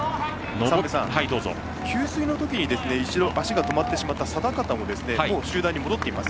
給水の時に一度、足が止まってしまった定方も、集団に戻っています。